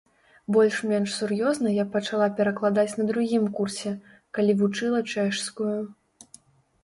Больш-менш сур'ёзна я пачала перакладаць на другім курсе, калі вучыла чэшскую.